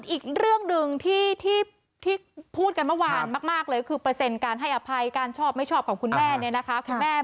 อีกเรื่องหนึ่งที่พูดกันเมื่อวานมากเลยคือเปอร์เซ็นต์การให้อภัยการชอบไม่ชอบของคุณแม่เนี่ยนะคะคุณแม่